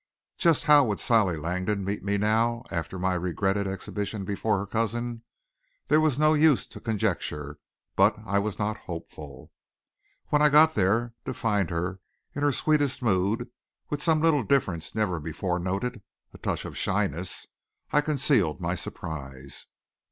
Just how would Sally Langdon meet me now, after my regretted exhibition before her cousin? There was no use to conjecture, but I was not hopeful. When I got there to find her in her sweetest mood, with some little difference never before noted a touch of shyness I concealed my surprise.